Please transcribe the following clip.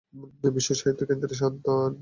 বিশ্বসাহিত্য কেন্দ্রে সান্ধ্য আড্ডা।